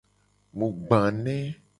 Mu gba ne.